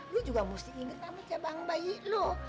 lu juga mesti inget nama jabang bayi lu